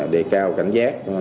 đề cao cảnh giác